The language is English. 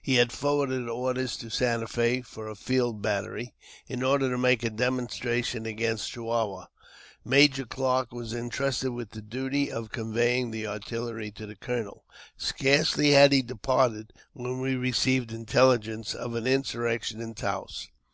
He had forwarded orders to Santa Fe for a field battery, in order to make a demonstration against Chihuahua. Major Clarke was intrusted with the duty of •conveying the artillery to the colonel. Scarcely had he departed when we received intelligence of an insurrection in Taos.